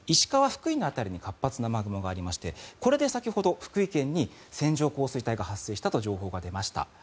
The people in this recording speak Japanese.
福井の辺りに活発な雨雲がありましてこれで先ほど福井県に線状降水帯が発生したと情報が出ました。